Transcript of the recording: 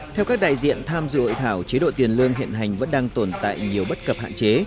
theo các đại diện tham dự hội thảo chế độ tiền lương hiện hành vẫn đang tồn tại nhiều bất cập hạn chế